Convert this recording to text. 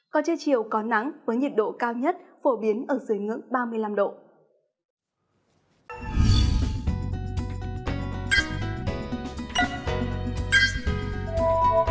có chiều chiều có nắng với nhiệt độ cao nhất phổ biến ở dưới ngưỡng ba mươi năm độ